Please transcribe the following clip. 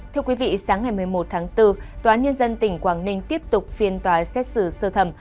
thưa quý vị sáng ngày một mươi một tháng bốn tòa án nhân dân tỉnh quảng ninh tiếp tục phiên tòa xét xử sơ thẩm